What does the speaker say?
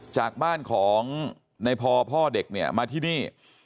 จากบ้านของในพอพ่อเด็กเนี่ยมาที่นี่